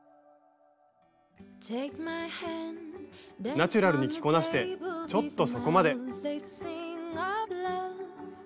ナチュラルに着こなしてちょっとそこまで。